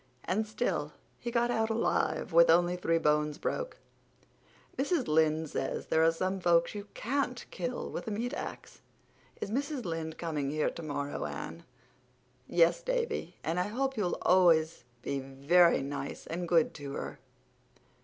And still he got out alive, with only three bones broke. Mrs. Lynde says there are some folks you can't kill with a meat axe. Is Mrs. Lynde coming here tomorrow, Anne?" "Yes, Davy, and I hope you'll be always very nice and good to her."